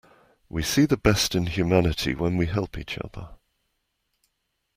We see the best in humanity when we help each other.